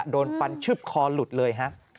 โดนฟันชืบคอหลุดเลยฮะ